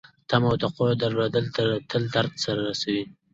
تمه او توقع درلودل تل درد رسوي .